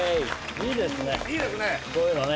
いいですね！